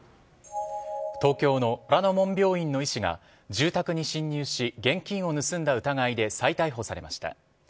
東京の虎の門病院の医師が住宅に侵入し現金を盗んだ疑いで再逮捕されました。